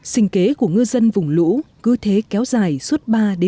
sinh kế của ngư dân vùng lũ cứ thế kéo dài suốt ba bốn tháng mùa nước nổi